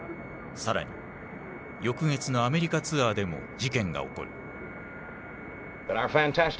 更に翌月のアメリカツアーでも事件が起こる。